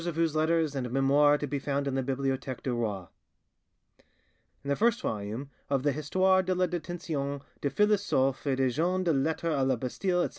of whose letters and 'Memoires' are to be found in the Bibliotheque du Roi. "In the first volume of the 'Histoire de la Detention des Philosophes et des Gens de Lettres a la Bastille, etc.